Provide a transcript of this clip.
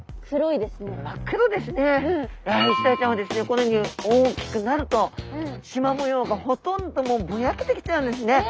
このように大きくなるとしま模様がほとんどもうぼやけてきちゃうんですね。